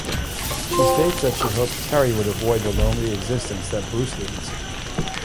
She states that she hopes Terry would avoid the lonely existence that Bruce leads.